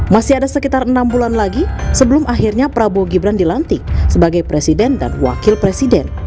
masih ada sekitar enam bulan lagi sebelum akhirnya prabowo gibran dilantik sebagai presiden dan wakil presiden